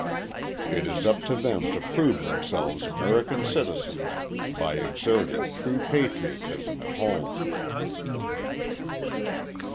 It is up to them to prove themselves American citizens by exerting true patriotism at home.